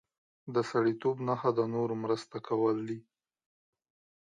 د سړیتوب نښه د نورو مرسته کول دي.